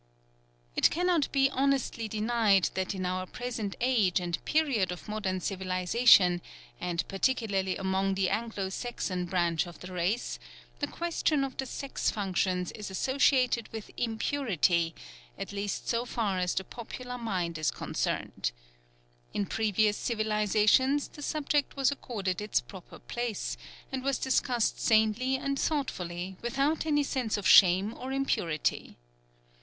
It cannot be honestly denied that in our present age, and period of modern civilization, and particularly among the Anglo Saxon branch of the race, the question of the sex functions is associated with impurity, at least so far as the popular mind is concerned. In previous civilizations the subject was accorded its proper place, and was discussed sanely and thoughtfully, without any sense of shame or impurity.